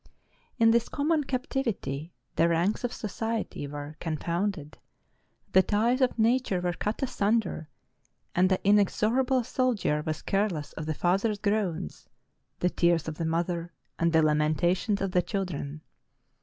In this common captivity, the ranks of society were confounded ; the ties of nature were cut asunder; and the inexorable soldier was care less of the father's groans, the tears of the mother, and the lamentations of the children.